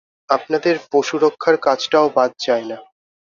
আপনাদের পশুরক্ষার কাজটাও বাদ যায় না।